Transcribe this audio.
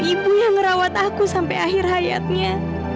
ibu yang merawat aku sampai akhir hayatnya